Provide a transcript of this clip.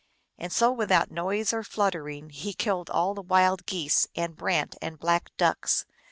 And so without noise or fluttering he killed all the Wild Geese and Brant and Black Ducks.